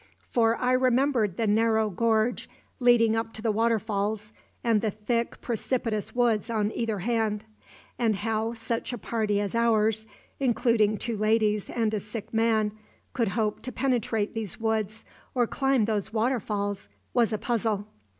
For I remembered the narrow gorge leading up to the waterfalls and the thick, precipitous woods on either hand; and how, such a party as ours, including two ladies and a sick man, could hope to penetrate those woods or climb those waterfalls was a puzzle.